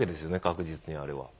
確実にあれは。